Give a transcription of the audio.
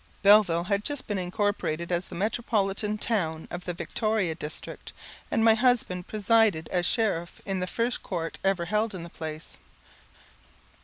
Belleville had just been incorporated as the metropolitan town of the Victoria District, and my husband presided as Sheriff in the first court ever held in the place.